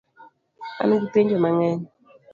An gi penjo mang'eny